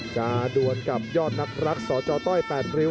จะด้วนกับยอดนักรักษ์สตร์จอต้อย๘ริ้ว